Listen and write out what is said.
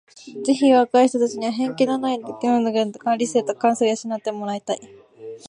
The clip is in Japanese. ぜひ若い人たちには偏見のない判断のできる理性と感性を養って貰いたい。